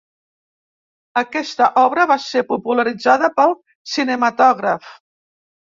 Aquesta obra va ser popularitzada pel cinematògraf.